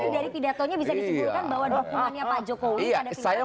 dari pidatonya bisa disimpulkan bahwa dukungannya pak jokowi pada pilpres ke pak prabowo